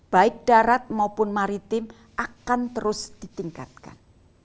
baik darat maupun maritim akan terus ditingkatkan